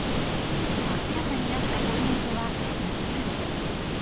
明らかになったポイントは３つです。